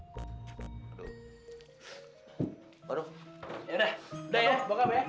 ya udah udah ya bokap ya